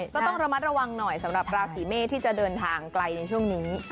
ก็ต้องระมัดระวังหน่อยสำหรับราศีเมษที่จะเดินทางไกลในช่วงนี้